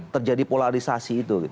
terjadi polarisasi itu